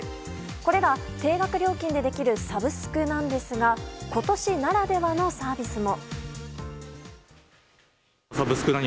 これら、定額料金でできるサブスクなんですが今年ならではのサービスも。